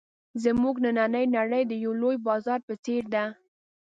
زموږ نننۍ نړۍ د یوه لوی بازار په څېر ده.